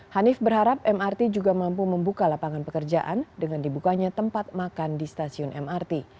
hanif berharap mrt juga mampu membuka lapangan pekerjaan dengan dibukanya tempat makan di stasiun mrt